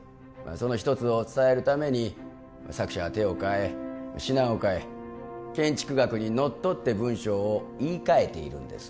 その一つを伝えるために作者は手を替え品を替え建築学に則って文章を言い換えているんです